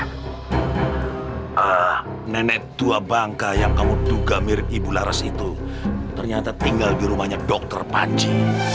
eee nenek tua bangka yang kamu duga mirip ibu laras itu ternyata tinggal di rumahnya dokter panji